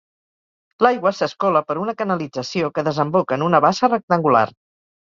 L'aigua s'escola per una canalització que desemboca en una bassa rectangular.